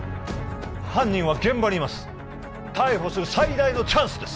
犯人は現場にいます逮捕する最大のチャンスです